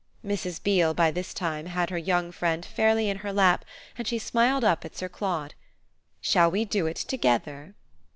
Mrs. Beale by this time had her young friend fairly in her lap and she smiled up at Sir Claude. "Shall we do it together?"